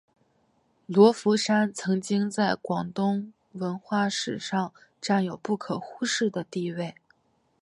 罗浮山曾经在广东文化史上占有不可忽视的地位。